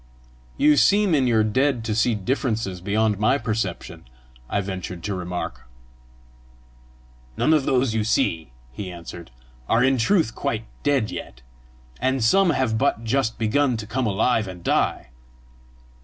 "You seem in your dead to see differences beyond my perception!" I ventured to remark. "None of those you see," he answered, "are in truth quite dead yet, and some have but just begun to come alive and die.